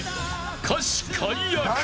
歌詞解約。